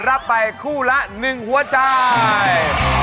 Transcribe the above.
รับไปคู่ละ๑หัวใจ